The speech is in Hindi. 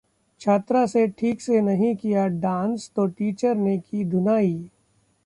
छात्रा से ठीक से नहीं किया डांस तो टीचर ने की धुनाई